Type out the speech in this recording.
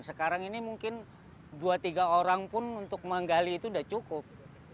sekarang ini mungkin dua tiga orang pun untuk menggali itu sudah cukup